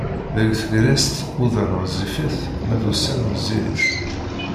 Deg tegrest uḍan ɣezzifit ma d ussan wezzilit.